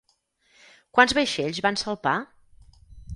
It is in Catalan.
Quants vaixells van salpar?